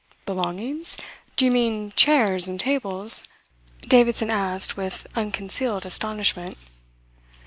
"Belongings? Do you mean chairs and tables?" Davidson asked with unconcealed astonishment.